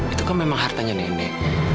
itu kan memang hartanya nenek